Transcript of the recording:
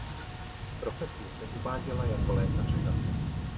Profesně se uváděla jako lékařka.